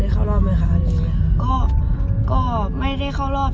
ก็ไม่ได้เข้ารอบ